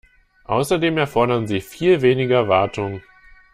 Außerdem erfordern sie viel weniger Wartung.